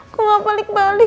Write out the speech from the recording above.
kok gak balik balik